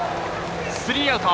スリーアウト。